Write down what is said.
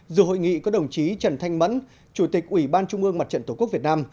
dự hội nghị có đồng chí trần thanh mẫn chủ tịch ủy ban trung ương mặt trận tổ quốc việt nam